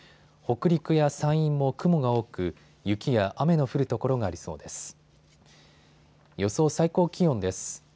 北陸や山陰も雲が多く雪や雨の降る所がありそうです。